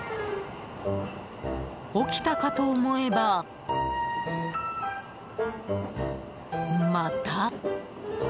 起きたかと思えば、また。